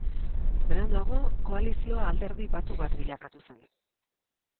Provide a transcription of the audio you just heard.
Beranduago koalizioa alderdi batu bat bilakatu zen.